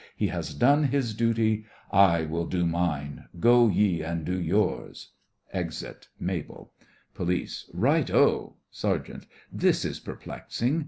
He has done his duty. I will do mine. Go ye and do yours. (Exit MABEL) POLICE: Right oh! SERGEANT: This is perplexing.